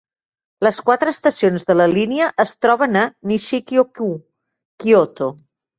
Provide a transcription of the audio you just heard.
Les quatre estacions de la línia es troben a Nishikyo-ku, Kyoto.